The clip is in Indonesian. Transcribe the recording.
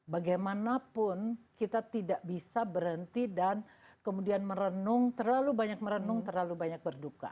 bagaimanapun kita tidak bisa berhenti dan kemudian merenung terlalu banyak merenung terlalu banyak berduka